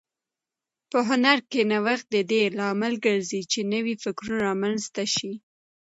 په هنر کې نوښت د دې لامل ګرځي چې نوي فکرونه رامنځته شي.